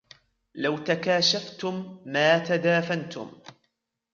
لَوْ تَكَاشَفْتُمْ مَا تَدَافَنْتُمْ